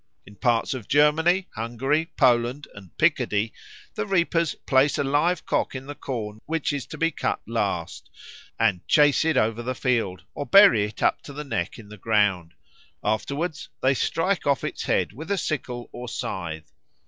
In parts of Germany, Hungary, Poland, and Picardy the reapers place a live cock in the corn which is to be cut last, and chase it over the field, or bury it up to the neck in the ground; afterwards they strike off its head with a sickle or scythe.